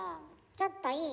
ちょっといい？